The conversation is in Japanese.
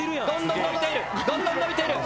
どんどんのびている。